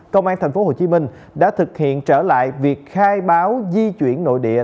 công an tp hcm đã thực hiện trở lại việc khai báo di chuyển nội địa